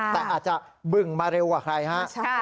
แต่อาจจะบึงมาเร็วกว่าใครฮะ